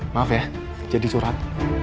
maaf ya jadi surat